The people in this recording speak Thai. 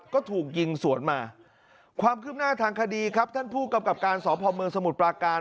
ก็ถูกยิงสวนมาความคืบหน้าทางคดีครับท่านผู้กำกับการสพเมืองสมุทรปราการ